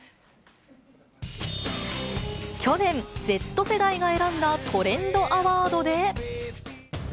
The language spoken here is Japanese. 去年、Ｚ世代が選んだトレンドアワードで。